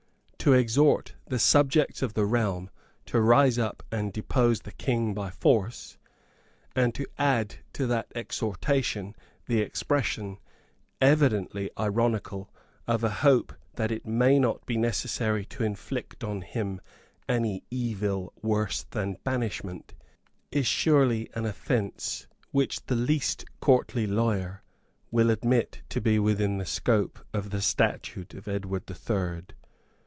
To exhort the subjects of the realm to rise up and depose the King by force, and to add to that exhortation the expression, evidently ironical, of a hope that it may not be necessary to inflict on him any evil worse than banishment, is surely an offence which the least courtly lawyer will admit to be within the scope of the statute of Edward the Third.